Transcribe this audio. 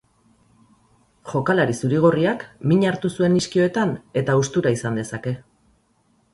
Jokalari zuri-gorriak min hartu zuen iskioetan eta haustura izan dezake.